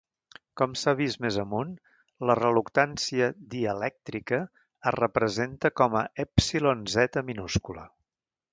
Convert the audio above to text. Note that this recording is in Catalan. Com s'ha vist més amunt, la reluctància dielèctrica es representa com a "èpsilon z minúscula".